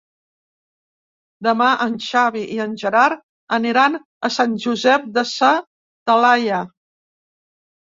Demà en Xavi i en Gerard aniran a Sant Josep de sa Talaia.